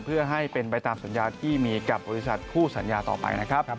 เพื่อให้เป็นไปตามสัญญาที่มีกับบริษัทคู่สัญญาต่อไปนะครับ